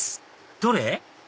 どれ？